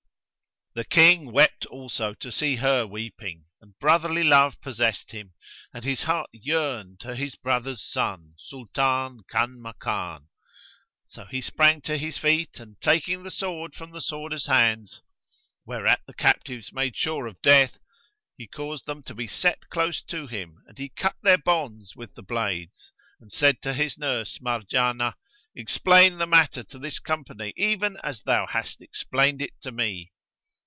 The King west also to see her weeping, and brotherly love possessed him and his heart yearned to his brother's son Sultan Kanmakan. So he sprang to his feet and, taking the sword from the Sworder's hands (whereat the captives made sure of death), he caused them to be set close to him and he cut their bonds with the blade and said to his nurse Marjanah, "Explain the matter to this company, even as thou hast explained it to me."